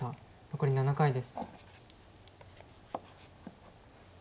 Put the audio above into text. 残り７回です。